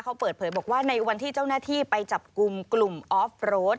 เขาเปิดเผยบอกว่าในวันที่เจ้าหน้าที่ไปจับกลุ่มกลุ่มออฟโรด